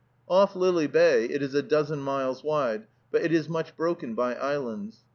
Off Lily Bay it is a dozen miles wide, but it is much broken by islands.